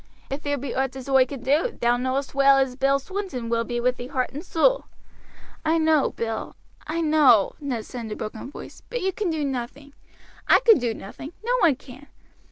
If there be owt as oi can do, thou knowest well as Bill Swinton be with thee heart and soul." "I know, Bill I know," Ned said in a broken voice, "but you can do nothing; I can do nothing; no one can.